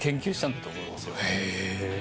へえ！